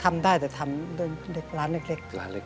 ทำได้แต่ดังสนุนเอาไปล้านแหลก